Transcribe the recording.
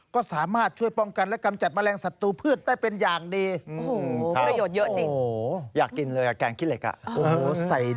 ก็สามารถช่วยป้องกันและกำจัดแมลงศัตรูพืชได้เป็นอย่างดี